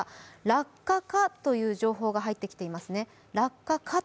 落下かという情報が入ってきていますね。